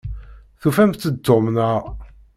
Tufamt-d Tom, naɣ?